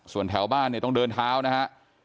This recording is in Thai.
ส่วนแถวบ้านเนี่ยต้องเดินเท้านะฮะ